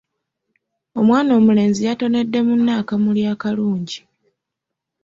Omwana omulenzi yatonedde munne akamuli akalungi.